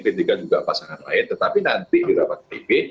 ketiga juga pasangan lain tetapi nanti di rapat kib